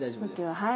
はい。